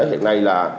hiện nay là